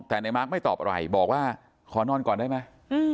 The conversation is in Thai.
แต่ในมาร์คไม่ตอบอะไรบอกว่าขอนอนก่อนได้ไหม